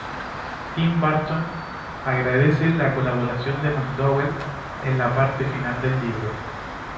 Tim Burton agradece la colaboración de McDowell en la parte final del libro.